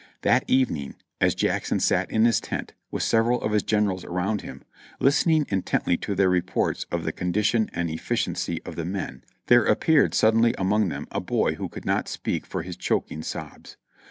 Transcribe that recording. That evening as Jackson sat in his tent, with several of his generals around him, listening intently to their re ports of the condition and efficiency of the men, there appeared suddenly among them a boy who could not speak for his choking sobs.